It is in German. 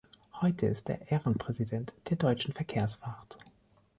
Heute ist er Ehrenpräsident der Deutschen Verkehrswacht.